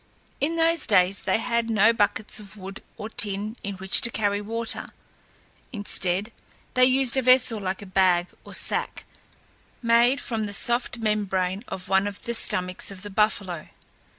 In those days they had no buckets of wood or tin in which to carry water. Instead, they used a vessel like a bag or sack, made from the soft membrane of one of the stomachs of the buffalo.